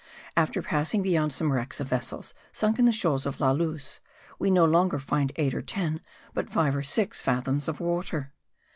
After passing beyond some wrecks of vessels sunk in the shoals of La Luz, we no longer find eight or ten, but five or six fathoms of water.